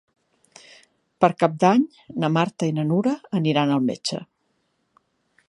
Per Cap d'Any na Marta i na Nura aniran al metge.